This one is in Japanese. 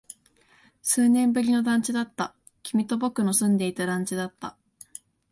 数年ぶりの団地だった。君と僕の住んでいた団地だった。